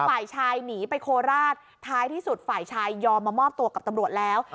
ฝ่ายชายหนีไปโคราชท้ายที่สุดฝ่ายชายยอมมามอบตัวกับตำรวจแล้ว